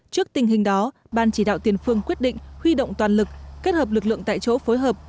trước tình hình đó ban chỉ đạo tiền phương quyết định huy động toàn lực kết hợp lực lượng tại chỗ phối hợp